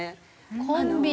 コンビニ？